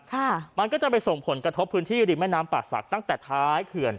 ค่ะมันก็จะไปส่งผลกระทบพื้นที่ริมแม่น้ำป่าศักดิ์ตั้งแต่ท้ายเขื่อน